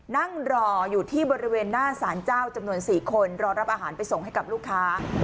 นั่งรออยู่ที่บริเวณหน้าสารเจ้าจำนวน๔คนรอรับอาหารไปส่งให้กับลูกค้า